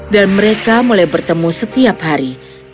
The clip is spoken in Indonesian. dan mereka mulai bertemu setiap hari